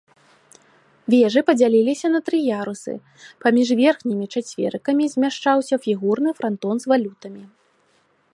Вежы падзяліліся на тры ярусы, паміж верхнімі чацверыкамі змяшчаўся фігурны франтон з валютамі.